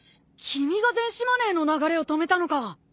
君が電子マネーの流れを止めたのか！